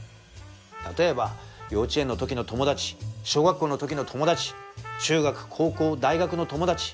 例えば幼稚園の時の友達小学校の時の友達中学高校大学の友達。